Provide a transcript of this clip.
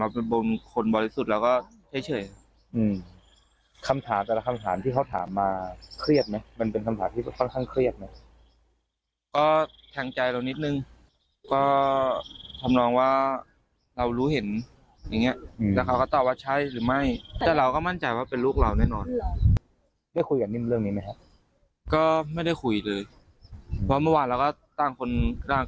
เพราะเมื่อวานเราก็ตั้งคนกำลังกลับมาแล้วก็เมื่อยค่อนข้อน